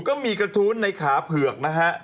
ก็มีกระทู้ในขาเผือกนะฮะ